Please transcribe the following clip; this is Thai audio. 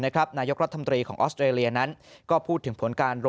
นะครับนายกรัฐมนตรีของออสเตอรียันนะนั้นก็พูดถึงผลการ